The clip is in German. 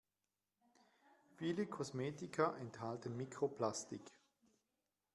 Viele Kosmetika enthalten Mikroplastik.